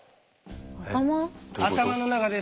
頭？